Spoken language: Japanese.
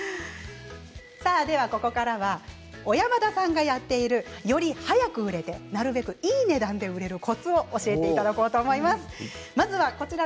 ここからは小山田さんがやっているより早く売れてなるべくいい値段で売れるコツを教えていただこうと思います。